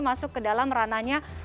masuk ke dalam ranahnya